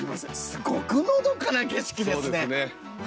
すごくのどかな景色ですね。